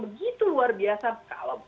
begitu luar biasa kalau